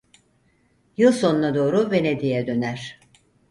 Yıl sonuna doğru Venedik'e döner.